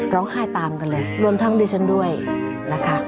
ร้องไห้ตามกันเลยรวมทั้งดิฉันด้วยนะคะ